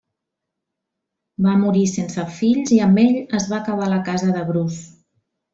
Va morir sense fills i amb ell es va acabar la Casa de Bruce.